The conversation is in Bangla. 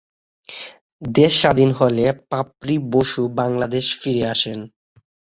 দেশ স্বাধীন হলে পাপড়ি বসু বাংলাদেশে ফিরে আসেন।